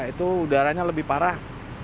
itu udaranya lebih parah